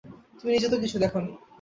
তুমি নিজে তো কিছু দেখ নি।